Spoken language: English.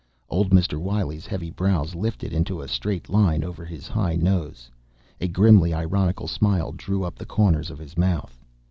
Old Mr. Wiley's heavy brows lifted into a straight line over his high nose. A grimly ironical smile drew up the corners of his mouth.